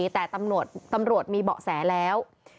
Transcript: แต่ตำรวจมีเบาะแสแล้ว